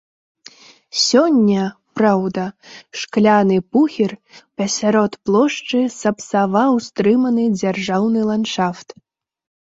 Сёння, праўда, шкляны пухір пасярод плошчы сапсаваў стрыманы дзяржаўны ландшафт.